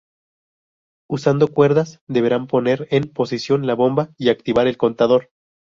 Usando cuerdas, deberán poner en posición la bomba y activar el contador.